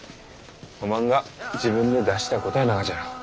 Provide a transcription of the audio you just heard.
おまんが自分で出した答えながじゃろう。